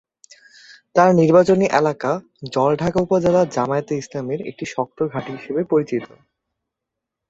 তার নির্বাচনী এলাকা জলঢাকা উপজেলা জামায়াতে ইসলামীর একটি শক্ত ঘাঁটি হিসাবে পরিচিত।